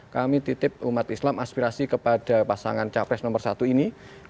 kami titip umat islam aspirasi kepada pasangan capres nomor satu ini